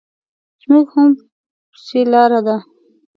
زموږ هم پسې لار ده.